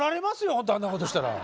ほんとあんなことしたら。